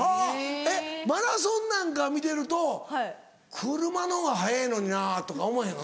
えっマラソンなんか見てると「車のが速えぇのにな」とか思わへんの？